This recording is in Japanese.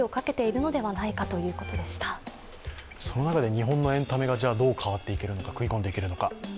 日本のエンタメがどう変わっていけるのか、食い込んでいけるのか。